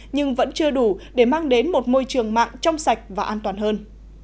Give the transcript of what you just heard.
nhưng vẫn chưa đủ để mang đến một môi trường mạng trong sạch và an toàn hơn